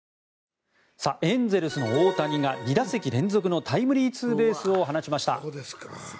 エンゼルスの大谷が２打席連続のタイムリーツーベースを放ちました。